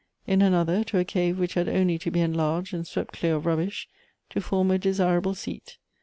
In another, to a cave which had only to be enlarged and swept clear of rubbish to form a desira ble seat.